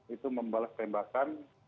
itu membalas tembakan